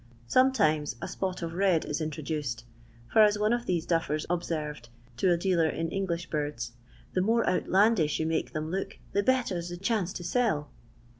Sometimes a spot of red is introduced, for as one of these duffers observed to a dealer in English birds, "the more outlandish you make them look, the better 's the chance to sell."